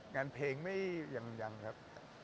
งานเพลงมันยังยังครับ